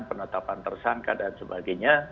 penetapan tersangka dan sebagainya